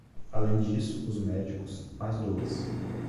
Além disso, os médicos, mais dores.